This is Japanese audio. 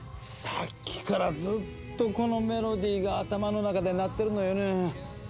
さっきからずっとこのメロディーが頭の中で鳴ってるのよね。